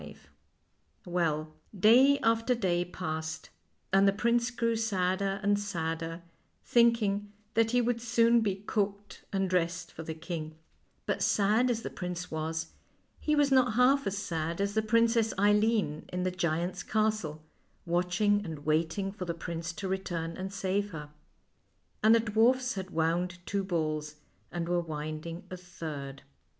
142 FAIEY TALES Well, day after day passed, and the prince grew sadder and sadder, thinking that he would soon be cooked and dressed for the king ; but sad as the prince was, he was not half as sad as the Princess Eileen in the giant's castle, watching and waiting for the prince to return and save her. And the dwarfs had wound two balls, and were winding a third.